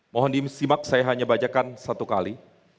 mohon disimak saya hanya bacakan satu kali